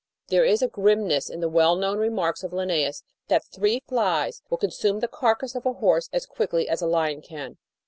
There is a grimness in the well known remarks of Linnaeus that three flies will con sume the carcase of a horse as quickly as a lion can.